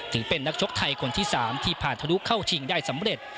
ถือเป็นนักชกไทยคนที่๓ที่ผ่านทะลุเข้าชิงได้สำเร็จ